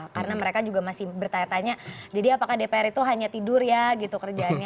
karena mereka juga masih bertanya tanya jadi apakah dpr itu hanya tidur ya gitu kerjanya